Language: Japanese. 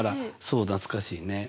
そう懐かしいね。